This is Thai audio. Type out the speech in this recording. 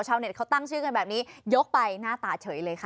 ชาวเน็ตเขาตั้งชื่อกันแบบนี้ยกไปหน้าตาเฉยเลยค่ะ